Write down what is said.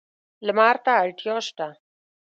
لمر ته اړتیا شته.